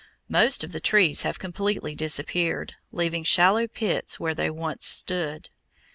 Most of the trees have completely disappeared, leaving shallow pits where they once stood.